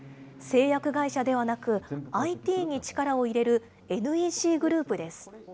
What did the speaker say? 製薬会社ではなく、ＩＴに力を入れるＮＥＣグループです。